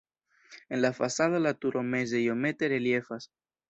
En la fasado la turo meze iomete reliefas.